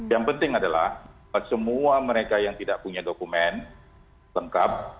yang penting adalah semua mereka yang tidak punya dokumen lengkap